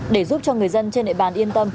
để giúp cho người dân trên địa bàn yên tâm